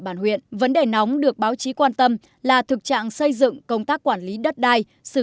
bàn huyện vấn đề nóng được báo chí quan tâm là thực trạng xây dựng công tác quản lý đất đai xử